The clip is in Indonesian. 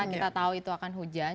karena kita tahu itu akan hujan